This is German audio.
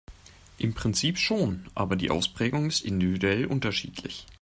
Im Prinzip schon, aber die Ausprägung ist individuell unterschiedlich.